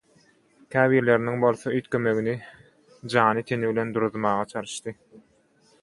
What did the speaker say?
käbirleriniň bolsa üýtgemegini jany teni bilen duruzmaga çalyşdy.